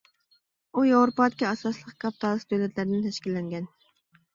ئۇ ياۋروپادىكى ئاساسلىق كاپىتالىستىك دۆلەتلەردىن تەشكىللەنگەن.